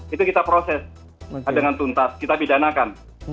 itu kita proses dengan tuntas kita pidanakan